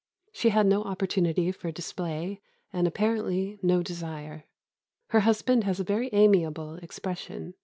She had no opportunity for display, and apparently no desire. Her husband has a very amiable expression.